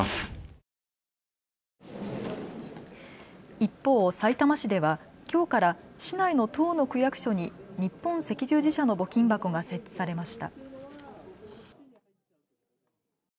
一方、さいたま市ではきょうから市内の１０の区役所に日本赤十字社の募金箱が設置されました。